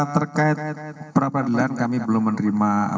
terkait perapelan kami belum menerima